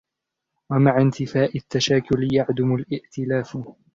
وَمَعَ انْتِفَاءِ التَّشَاكُلِ يُعْدَمُ الِائْتِلَافُ